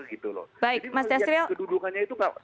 jadi melihat kedudukannya itu